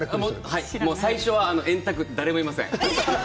最初は円卓に誰もいません。